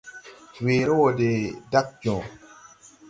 Weere wɔ de dag jõõ.